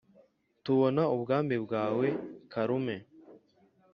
tubona ubwami bwawe karume.